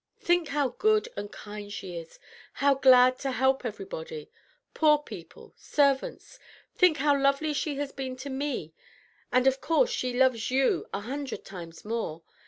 Think how good and kind she is, how glad to help everybody, poor people, servants; think how lovely she has been to me, and, of course, she loves you a hundred times more!